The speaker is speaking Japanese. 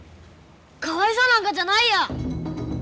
かわいそうなんかじゃないや！